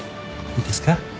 いいですか？